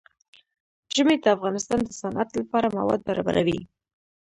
ژمی د افغانستان د صنعت لپاره مواد برابروي.